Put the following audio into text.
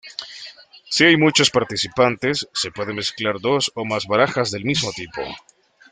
Si hay muchos participantes, se pueden mezclar dos o más barajas del mismo tipo.